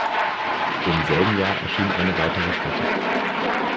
Im selben Jahr erschien eine weitere Platte.